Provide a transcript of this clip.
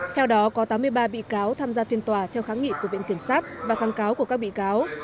theo đó có tám mươi ba bị cáo tham gia phiên tòa theo kháng nghị của viện kiểm sát và kháng cáo của các bị cáo